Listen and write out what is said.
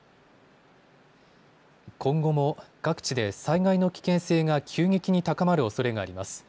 今後も各地で災害の危険性が急激に高まるおそれがあります。